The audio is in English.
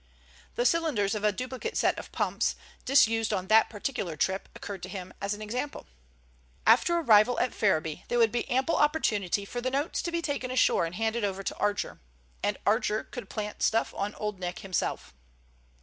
The cylinders of a duplicate set of pumps, disused on that particular trip, occurred to him as an example. After arrival at Ferriby there would be ample opportunity for the notes to be taken ashore and handed over to Archer, and Archer "could plant stuff on Old Nick himself."